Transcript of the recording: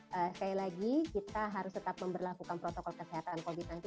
sekali lagi kita harus tetap memperlakukan protokol kesehatan covid sembilan belas